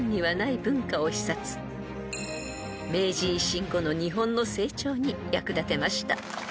［明治維新後の日本の成長に役立てました］